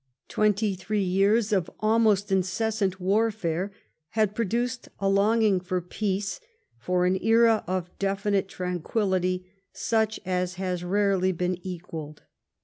Twenty three years of almost incessant warfare had produced a longing for peace, for an era of deOnite tranquillity, such as has rarely been equalled.